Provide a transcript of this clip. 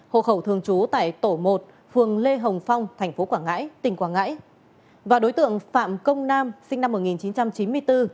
hộ khẩu thường trú tại thôn tân phước xã bình minh huyện bình sơn tỉnh quảng ngãi